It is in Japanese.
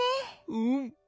うん。